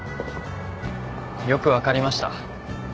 よく分かりました。